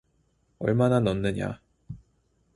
얼마나 넣느냐